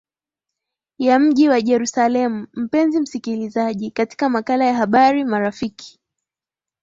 ya mji wa jerusalem mpenzi msikilizaji katika makala ya habari marafiki